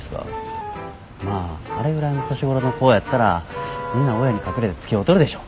まああれぐらいの年頃の子やったらみんな親に隠れてつきおうとるでしょ。